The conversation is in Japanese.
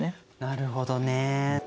なるほどね。